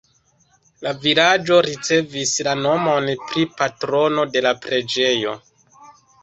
La vilaĝo ricevis la nomon pri patrono de la preĝejo.